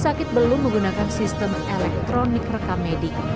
sakit yang terlalu lama sementara di rute rsud muhammad suwandi pilih daniel mesaf mengakui rumah